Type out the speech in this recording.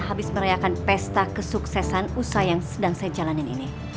habis merayakan pesta kesuksesan usaha yang sedang saya jalanin ini